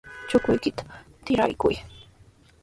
Chukuykita trurakuy.